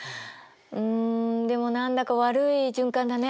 うんでも何だか悪い循環だね。